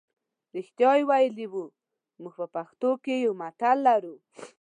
رښتیا یې ویلي وو موږ په پښتو کې یو متل لرو.